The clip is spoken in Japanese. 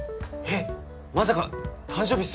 えっまさか誕生日